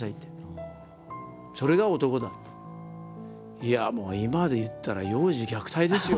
いやもう今で言ったら幼児虐待ですよ